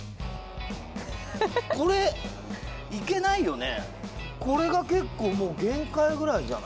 これ行けないよね。